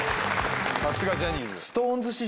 さすがジャニーズ。